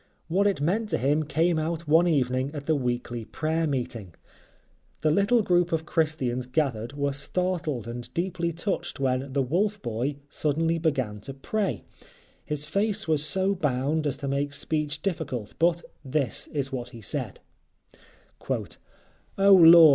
What it meant to him came out one evening at the weekly prayer meeting. The little group of Christians gathered were startled and deeply touched when the "Wolf Boy" suddenly began to pray; his face was so bound as to make speech difficult but this is what he said: "O Lord!